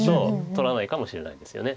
取らないかもしれないんですよね。